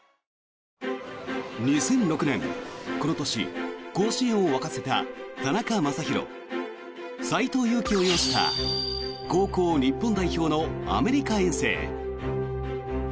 ２００６年、この年甲子園を沸かせた田中将大斎藤佑樹を擁した高校日本代表のアメリカ遠征。